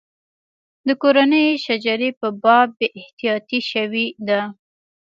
د کورنۍ شجرې په باب بې احتیاطي شوې ده.